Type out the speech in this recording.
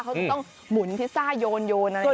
เขาจะต้องหมุนพิซซ่าโยนอะไรอย่างนี้